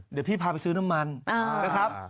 เดี๋ยวพี่พาไปซื้อน้ำมันนะครับ